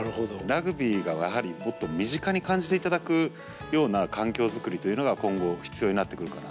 ラグビーがやはりもっと身近に感じて頂くような環境づくりというのが今後必要になってくるかなと。